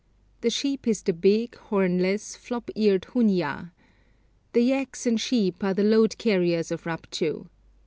The sheep is the big, hornless, flop eared huniya. The yaks and sheep are the load carriers of Rupchu.